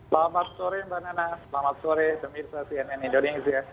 ramad sore mbak nana ramad sore demirsa tnn indonesia